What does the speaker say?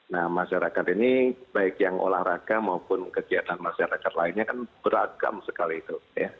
nah masyarakat ini baik yang olahraga maupun kegiatan masyarakat lainnya kan beragam sekali itu